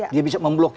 dia bisa memblok